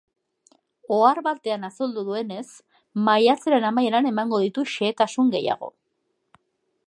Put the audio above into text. Ohar batean azaldu duenez, maiatzaren amaieran emango ditu xehetasun gehiago.